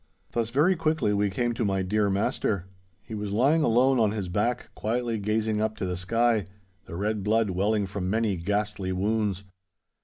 Thus very quickly we came to my dear master. He was lying alone on his back quietly gazing up to the sky, the red blood welling from many ghastly wounds.